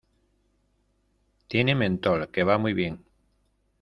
tienen mentol que va muy bien.